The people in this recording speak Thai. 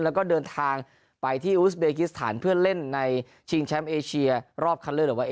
แล้วก็เดินทางไปที่อุสเบกิสถานเพื่อเล่นในชิงแชมป์เอเชียรอบคันเลือกหรือว่า